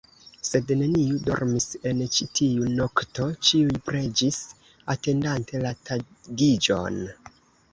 Sed neniu dormis en ĉi tiu nokto, ĉiuj preĝis, atendante la tagiĝon.